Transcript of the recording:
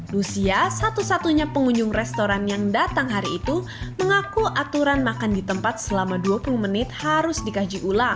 lucia satu satunya pengunjung restoran yang datang hari itu mengaku aturan makan di tempat selama dua puluh menit harus dikaji ulang